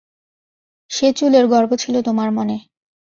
সে চুলের গর্ব ছিল তোমার মনে।